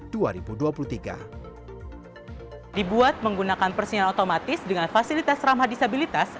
supaya beperkuat menggunakan persinyalan otomatis dengan fasilitas ramah disabilitas